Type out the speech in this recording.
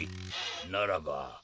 ならば。